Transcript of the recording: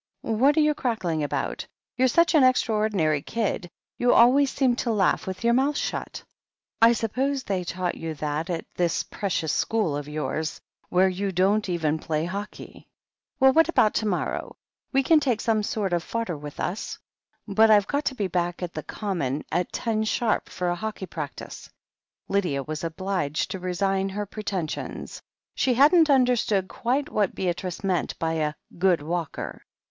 "What are you cackling about? You're such an extraordinary kid ; you always seem to laugh with your mouth shut. I suppose they taught you that at this precious school of yours, where you don't even play THE HEEL OF ACHILLES $7 hockey. Well, what about to morrow ? We can take some sort of fodder with us, but Tve got to be back at the Common at ten sharp for a hockey practice." Lydia was obliged to resign her pretensions. She hadn't understood quite what Beatrice meant by a "good walker."